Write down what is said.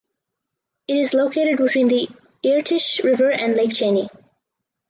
It is located between the Irtysh River and Lake Chany.